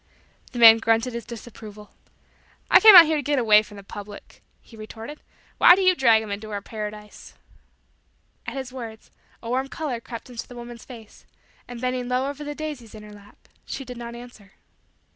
The man grunted his disapproval. "I came out here to get away from said public," he retorted. "Why do you drag 'em into our paradise?" At his words, a warm color crept into the woman's face, and, bending low over the daisies in her lap, she did not answer.